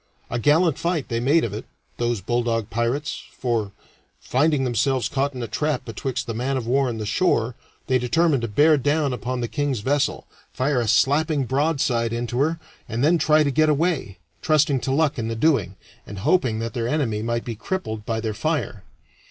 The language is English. A gallant fight they made of it, those bulldog pirates, for, finding themselves caught in a trap betwixt the man of war and the shore, they determined to bear down upon the king's vessel, fire a slapping broadside into her, and then try to get away, trusting to luck in the doing, and hoping that their enemy might be crippled by their fire.